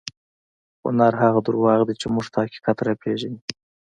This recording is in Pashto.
هنر هغه درواغ دي چې موږ ته حقیقت راپېژني.